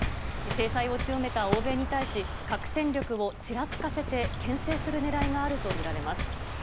制裁を強めた欧米に対し、核戦力をちらつかせて、けん制するねらいがあると見られます。